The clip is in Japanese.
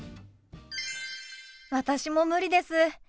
私も無理です。